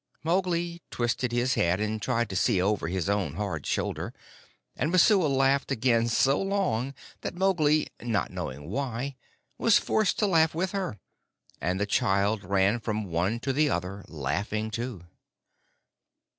Mowgli twisted his head and tried to see over his own hard shoulder, and Messua laughed again so long that Mowgli, not knowing why, was forced to laugh with her, and the child ran from one to the other, laughing too.